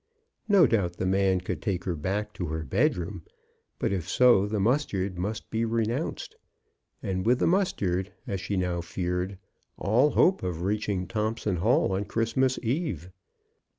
No doubt the man could take her back to her bedroom, but if so, the mustard must be renounced, and with the mustard, as she now feared, all hope of reaching Thompson Hall on Christmas eve.